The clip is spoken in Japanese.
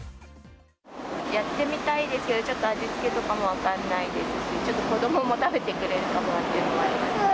やってみたいですけど、ちょっと味付けとかも分からないですし、ちょっと子どもも食べてくれるのかっていうのもあります。